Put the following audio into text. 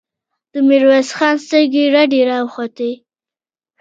د ميرويس خان سترګې رډې راوختې.